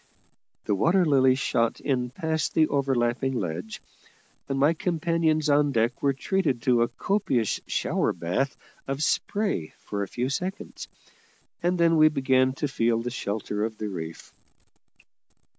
The Water Lily shot in past the overlapping ledge; and my companions on deck were treated to a copious shower bath of spray for a few seconds, and then we began to feel the shelter of the reef.